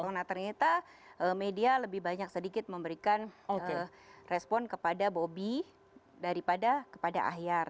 karena ternyata media lebih banyak sedikit memberikan respon kepada bobby daripada kepada ahyar